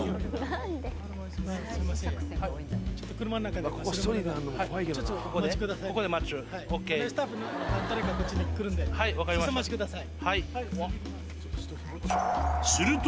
少々お待ちください。